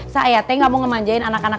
saya teh gak mau ngemanjain anak anak